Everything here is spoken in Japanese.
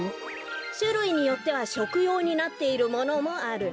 しゅるいによってはしょくようになっているものもある。